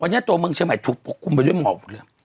วันนี้ตัวเมืองเชียงใหม่ถูกปะกุมไปด้วยหมอก